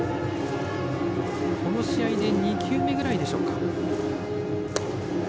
この試合で２球目ぐらいでしょうか。